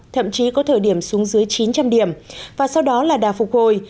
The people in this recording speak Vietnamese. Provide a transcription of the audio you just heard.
thậm chí có thời điểm xuống dưới chín trăm linh điểm và sau đó là đà phục hồi